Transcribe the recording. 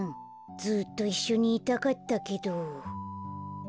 ずっといっしょにいたかったけど。